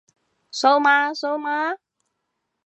蘇媽蘇媽？